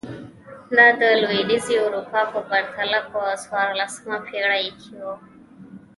دا د لوېدیځې اروپا په پرتله په څوارلسمه پېړۍ کې و.